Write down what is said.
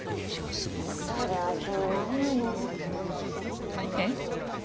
そりゃ気になるよねえっ？